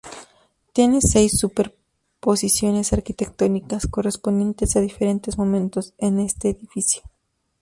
Tiene seis superposiciones arquitectónicas, correspondientes a diferentes momentos en este edificio.